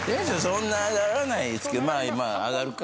そんな上がらないですけど上がるか。